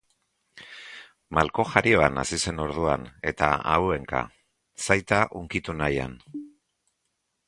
Malko jarioan hasi zen orduan, eta auhenka, Zaita hunkitu nahian.